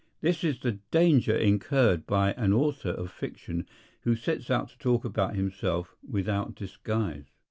This is the danger incurred by an author of fiction who sets out to talk about himself without disguise.